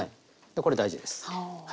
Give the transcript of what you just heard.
これ大事です。は。